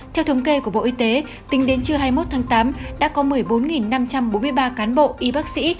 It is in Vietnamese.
theo thống kê của bộ y tế tính đến trưa hai mươi một tháng tám đã có một mươi bốn năm trăm bốn mươi ba cán bộ y bác sĩ